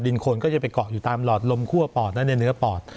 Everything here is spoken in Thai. คนก็จะไปเกาะอยู่ตามหลอดลมคั่วปอดและในเนื้อปอด